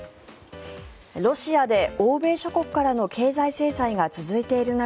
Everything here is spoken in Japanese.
ロシアで欧米諸国からの経済制裁が続いている中